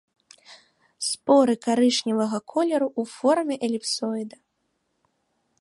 Споры карычневага колеру, у форме эліпсоіда.